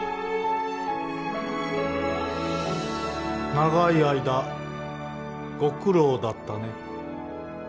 長い間ご苦労だったね